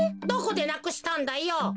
どこでなくしたんだよ？